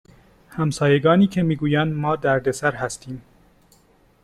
همسایگانی که می گویند ما دردسر هستیم